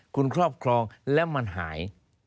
คุณครอบครองแล้วมันหาย